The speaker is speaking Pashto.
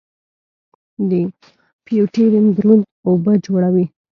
د فیوټیریم دروند اوبه جوړوي.